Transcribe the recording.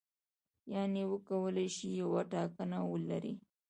یعنې وکولای شي یوه ټاکنه ولري.